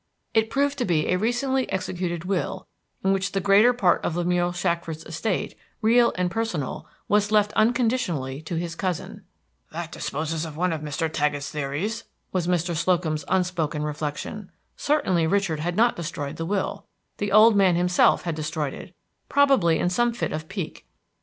It proved to be a recently executed will, in which the greater part of Lemuel Shackford's estate, real and personal, was left unconditionally to his cousin. "That disposes of one of Mr. Taggett's theories," was Mr. Slocum's unspoken reflection. Certainly Richard had not destroyed the will; the old man himself had destroyed it, probably in some fit of pique.